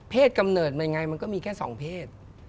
กำเนิดมันยังไงมันก็มีแค่๒เพศ